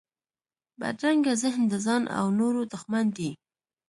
بدرنګه ذهن د ځان او نورو دښمن دی